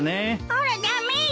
あら駄目よ。